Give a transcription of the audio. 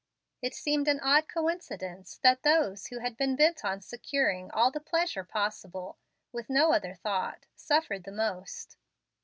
It seemed an odd coincidence, that those who had been bent on securing all the pleasure possible, with no other thought, suffered the most.